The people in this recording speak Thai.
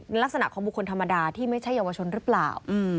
ลักษณะของบุคคลธรรมดาที่ไม่ใช่เยาวชนหรือเปล่า